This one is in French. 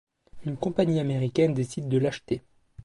Une compagnie américaine décide de l'acheter.